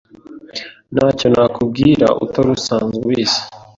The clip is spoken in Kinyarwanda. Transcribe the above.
Ntacyo nakubwira utari usanzwe ubizi.